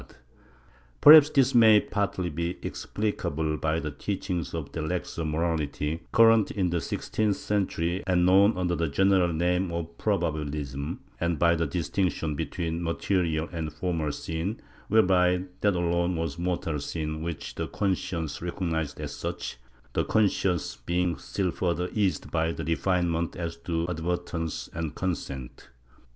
72 MYSTICISM [Book VIII Perhaps this may partly be explicable by the teachings of the laxer morality, current in the sixteenth century and known under the general name of Probabilism, and by the distinction between material and formal sin, whereby that alone was mortal sin which the conscience recognized as such, the conscience being still further eased by refinements as to advertence and consent.